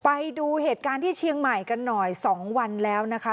ไปดูเหตุการณ์ที่เชียงใหม่กันหน่อย๒วันแล้วนะคะ